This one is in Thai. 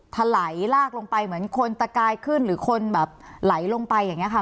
ถลายลากลงไปเหมือนคนตะกายขึ้นหรือคนแบบไหลลงไปอย่างนี้ค่ะ